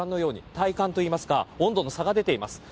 体感といいますか温度の差が出ています。